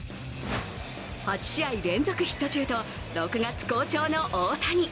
８試合連続ヒット中と６月好調の大谷。